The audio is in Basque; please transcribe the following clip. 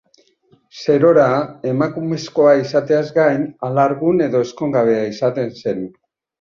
Serora, emakumezkoa izateaz gain, alargun edo ezkongabea izaten zen.